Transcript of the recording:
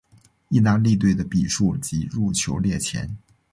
意大利队的比数及入球列前。